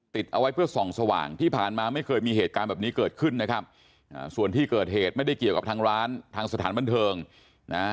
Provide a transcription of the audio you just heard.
เอาไว้เพื่อส่องสว่างที่ผ่านมาไม่เคยมีเหตุการณ์แบบนี้เกิดขึ้นนะครับส่วนที่เกิดเหตุไม่ได้เกี่ยวกับทางร้านทางสถานบันเทิงนะ